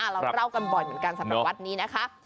เราเล่ากันบ่อยเหมือนกันสำหรับวัดนี้นะคะ